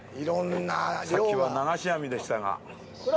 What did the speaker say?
さっきは流し網でしたが。